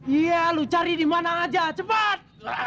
iya lu cari di mana aja cepat